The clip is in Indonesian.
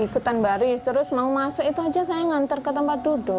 ikutan baris terus mau masuk itu aja saya ngantar ke tempat duduk